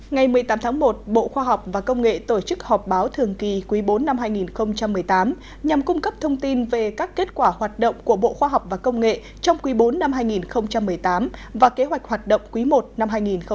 ngày một mươi tám tháng một bộ khoa học và công nghệ tổ chức họp báo thường kỳ quý bốn năm hai nghìn một mươi tám nhằm cung cấp thông tin về các kết quả hoạt động của bộ khoa học và công nghệ trong quý bốn năm hai nghìn một mươi tám và kế hoạch hoạt động quý i năm hai nghìn một mươi chín